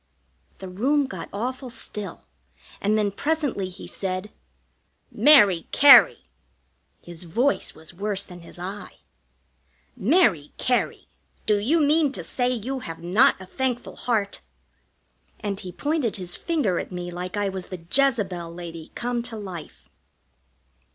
The room got awful still, and then presently he said: "Mary Cary" his voice was worse than his eye "Mary Cary, do you mean to say you have not a thankful heart?" And he pointed his finger at me like I was the Jezebel lady come to life.